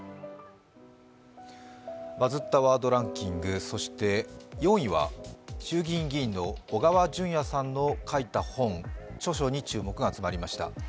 「バズったワードランキング」４位は衆議院議員の小川淳也さんの書いた本、著書に注目が集まりました。